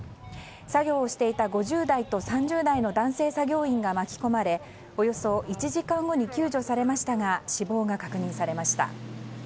作業をしていた５０代と３０代の男性作業員が巻き込まれおよそ１時間後に救助されましたが死亡が確認されました。